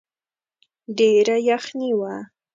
ډېره يخني وه.